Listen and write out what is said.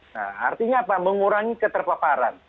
nah artinya apa mengurangi keterpaparan